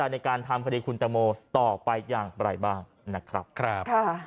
นะครับฮ่า